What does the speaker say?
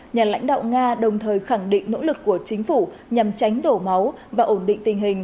nhà lãnh đạo nga đồng thời khẳng định nỗ lực của chính phủ nhằm tránh đổ máu và ổn định tình hình